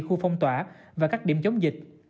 khu phong tỏa và các điểm chống dịch